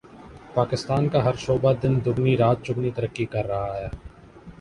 پاکستان کا ہر شعبہ دن دگنی رات چگنی ترقی کر رہا ہے